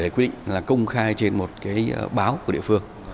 quy định là công khai trên một cái báo của địa phương